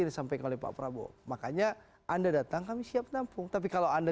ini sampai kali pak prabowo makanya anda datang kami siap tampung tapi kalau anda